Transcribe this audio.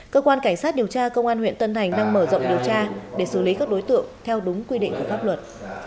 cơ quan cảnh sát điều tra công an huyện tân thành đang mở rộng điều tra để xử lý các đối tượng theo đúng quy định của pháp luật